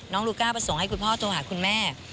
ลูกลูก้าไปส่งให้คุณพ่อโทรหาคุณแม่